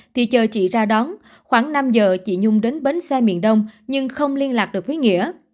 thì chờ chị ra đón khoảng năm giờ chị nhung đến bến xe miền đông nhưng không liên lạc được với nghĩa